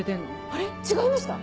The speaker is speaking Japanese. あれ違いました？